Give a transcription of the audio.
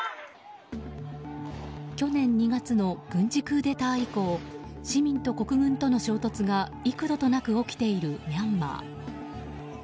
去年２月の軍事クーデター以降市民と国軍との衝突が幾度となく起きているミャンマー。